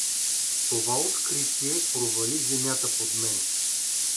Това откритие провали земята под мене.